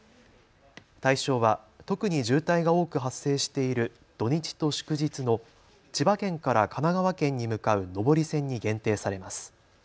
対象は特に渋滞が多く発生している土日と祝日の千葉県から神奈川県に向かう上り線に限定されます。